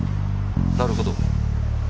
なるほど。